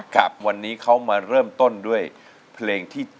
ครับวันนี้เขามาเริ่มต้นด้วยเพลงที่๗